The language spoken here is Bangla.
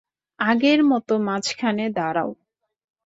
আগের মত মাঝখানে দাঁড়াও।